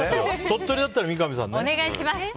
鳥取だったら三上さんだね。